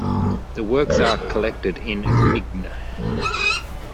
The works are collected in Migne.